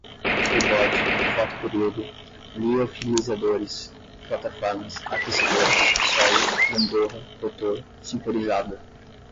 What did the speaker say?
rebote, foto-período, liofilizadores, plataformas, aquecedoras, solos, gangorra, rotor, sinterizada